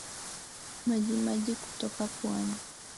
Majimaji kutoka puani